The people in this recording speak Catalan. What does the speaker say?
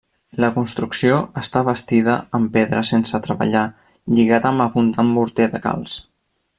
La construcció està bastida amb pedra sense treballar lligada amb abundant morter de calç.